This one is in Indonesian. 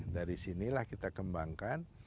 dari sinilah kita kembangkan